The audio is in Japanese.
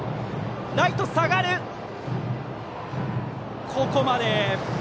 ライト、下がるがここまで。